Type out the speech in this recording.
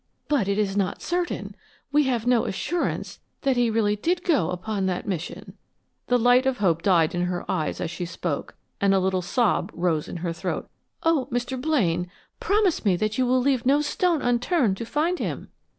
"But it is not certain we have no assurance that he really did go upon that mission." The light of hope died in her eyes as she spoke, and a little sob rose in her throat. "Oh, Mr. Blaine, promise me that you will leave no stone unturned to find him!"